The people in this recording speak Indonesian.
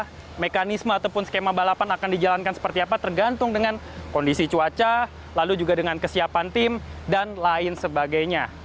bagaimana mekanisme ataupun skema balapan akan dijalankan seperti apa tergantung dengan kondisi cuaca lalu juga dengan kesiapan tim dan lain sebagainya